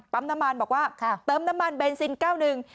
น้ำมันบอกว่าเติมน้ำมันเบนซินเก้าหนึ่ง